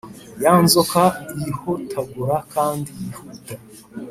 ya nzoka yihotagura kandi yihuta,